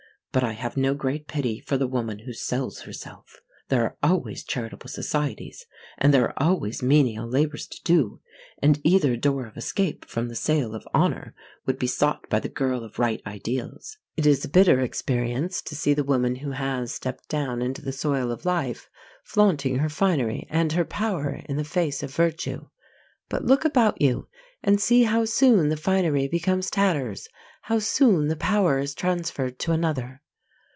But I have no great pity for the woman who sells herself. There are always charitable societies, and there are always menial labours to do, and either door of escape from the sale of honour would be sought by the girl of right ideals. It is a bitter experience to see the woman who has stepped down into the soil of life flaunting her finery and her power in the face of virtue. But look about you and see how soon the finery becomes tatters how soon the power is transferred to another.